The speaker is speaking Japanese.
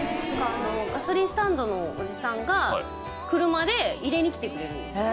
ガソリンスタンドのおじさんが車で入れに来てくれるんです。